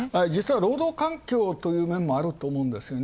労働環境という面もあると思うんですよね。